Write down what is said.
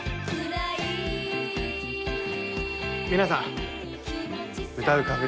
皆さん歌うカフェ